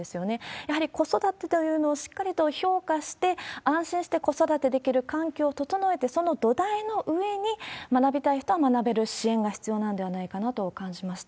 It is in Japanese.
やはり子育てというのをしっかりと評価して、安心して子育てできる環境を整えて、その土台の上に、学びたい人は学べる支援が必要なのではないかなと感じました。